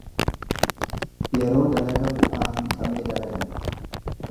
Yeroo dalaga bu'aa hin qabne dalagan.